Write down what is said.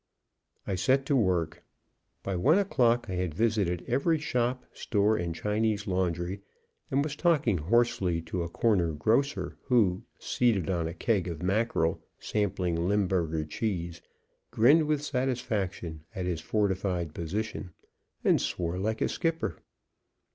I set to work. By one o'clock I had visited every shop, store and Chinese laundry, and was talking hoarsely to a corner grocer who, seated on a keg of mackerel, sampling limburger cheese, grinned with satisfaction at his fortified position and swore like a skipper.